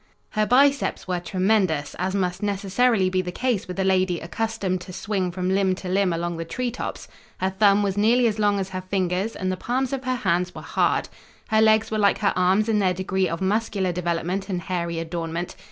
Her biceps were tremendous, as must necessarily be the case with a lady accustomed to swing from limb to limb along the treetops. Her thumb was nearly as long as her fingers, and the palms of her hands were hard. Her legs were like her arms in their degree of muscular development and hairy adornment.